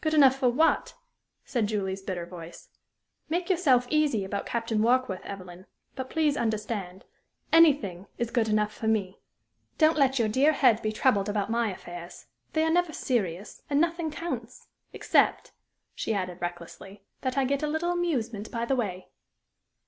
"Good enough for what?" said Julie's bitter voice. "Make yourself easy about Captain Warkworth, Evelyn; but please understand anything is good enough for me. Don't let your dear head be troubled about my affairs. They are never serious, and nothing counts except," she added, recklessly, "that I get a little amusement by the way."